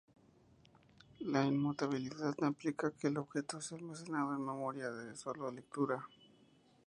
La inmutabilidad no implica que el objeto sea almacenado en memoria de sólo lectura.